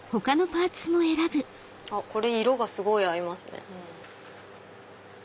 これ色がすごい合いますね。